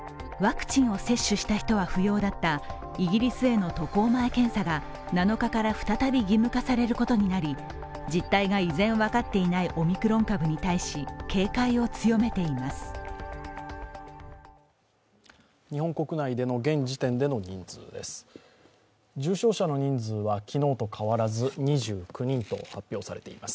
ワクチンを接種した人は不要だったイギリスへの渡航前検査が７日から再び義務化されることになり実態が依然分かっていないオミクロン株に対し、警戒を強めてます。